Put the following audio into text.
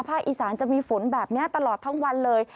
อีสานจะมีฝนแบบนี้ตลอดทั้งวันเลย